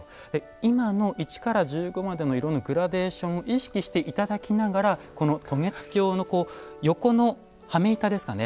今の一から十五までの色のグラデーションを意識して頂きながらこの渡月橋の横の羽目板ですかね？